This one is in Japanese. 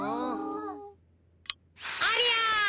ありゃ。